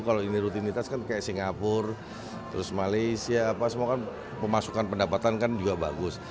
kalau ini rutinitas kan kayak singapura terus malaysia apa semua kan pemasukan pendapatan kan juga bagus